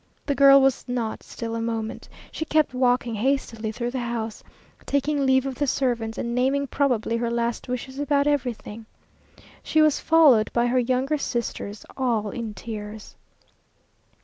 The girl was not still a moment. She kept walking hastily through the house, taking leave of the servants, and naming probably her last wishes about everything. She was followed by her younger sisters, all in tears.